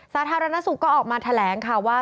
สาธารณสุขก็ออกมาแถลงค่ะว่า